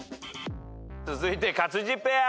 続いて勝地ペア。